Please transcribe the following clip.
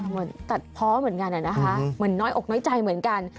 เหมือนตัดเพาะเหมือนกันนะคะเหมือนน้อยอกน้อยใจเหมือนกัน